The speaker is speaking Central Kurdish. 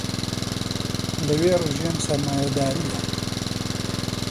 لەوێ ڕژێم سەرمایەدارییە